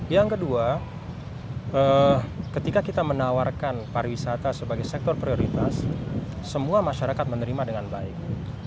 yang kedua ketika kita menawarkan pariwisata sebagai sektor prioritas semua masyarakat menerima dengan baik